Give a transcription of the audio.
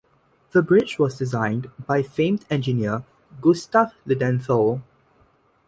The bridge was designed by famed engineer Gustav Lindenthal.